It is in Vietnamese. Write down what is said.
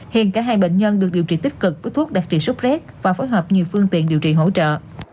hiện cả hai bệnh nhân được điều trị tích cực với thuốc đặc trị sốc rét và phối hợp nhiều phương tiện điều trị hỗ trợ